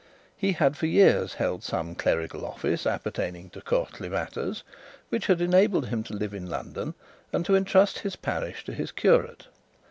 He had for years held some clerical office appertaining to courtly matters, which had enabled him to live in London, and to entrust his parish to his curate.